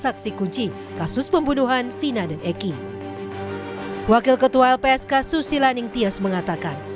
tapi menjajakinya sebenarnya jadi semua pihak pihak yang punya kesalahan